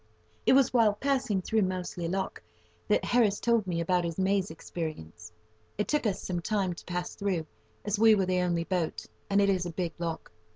It was while passing through Moulsey Lock that Harris told me about his maze experience. It took us some time to pass through, as we were the only boat, and it is a big lock.